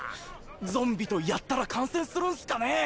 ゾンビとやったら感染するんすかねぇ？